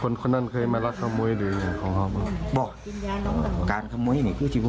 แล้วตอนนี้หลักเข้าฮมุยของคนมาก่อนหนึ่ง